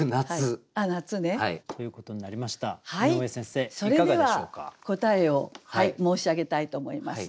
それでは答えを申し上げたいと思います。